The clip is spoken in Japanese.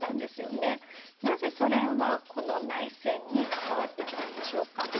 なぜソ連はこの内戦に関わってきたんでしょうか？